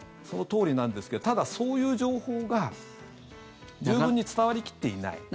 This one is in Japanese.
そのとおりなんですけどただ、そういう情報が十分に伝わり切っていない。